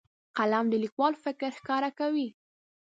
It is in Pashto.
قلم د لیکوال فکر ښکاره کوي.